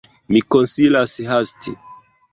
Mi konsilas hasti.